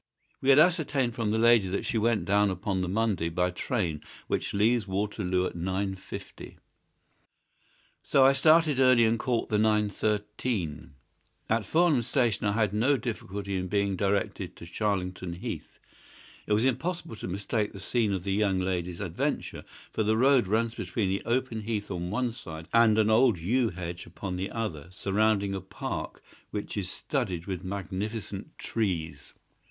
We had ascertained from the lady that she went down upon the Monday by the train which leaves Waterloo at 9.50, so I started early and caught the 9.13. At Farnham Station I had no difficulty in being directed to Charlington Heath. It was impossible to mistake the scene of the young lady's adventure, for the road runs between the open heath on one side and an old yew hedge upon the other, surrounding a park which is studded with magnificent trees.